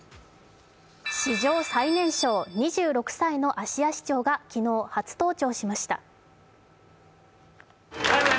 史上最年少、２６歳の芦屋市長が昨日、初登庁しました。